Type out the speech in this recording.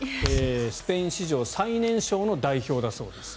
スペイン史上最年少の代表だそうです。